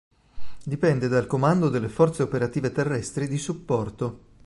Dipende dal Comando delle Forze Operative Terrestri di Supporto.